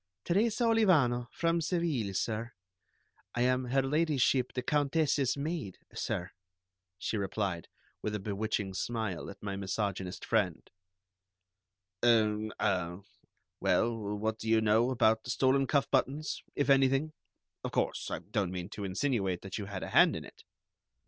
"Teresa Olivano, from Seville, sir. I am Her Ladyship the Countess's maid, sir," she replied, with a bewitching smile at my misogynist friend. "Er, ah, well, what do you know about the stolen cuff buttons, if anything? Of course, I don't mean to insinuate that you had a hand in it."